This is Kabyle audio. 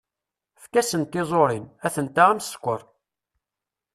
Efk-asen tiẓurin, atenta am skeṛ.